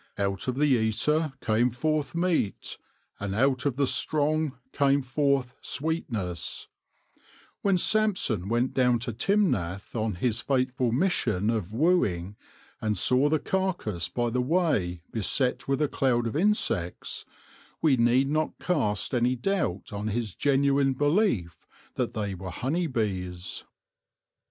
" Out of the eater came forth meat, and out of the strong came forth sweetness/ ' When Samson went down to Timnath on his fateful mission of wooing, and saw the carcass by the way beset with a cloud of insects, we need not cast any doubt on his genuine belief that they were honey bees.